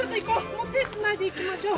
もう手つないでいきましょう。